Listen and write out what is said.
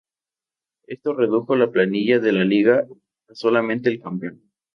Esto redujo la plantilla de la liga a solamente el campeón.